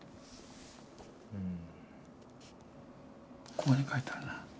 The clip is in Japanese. ここに書いてあるな。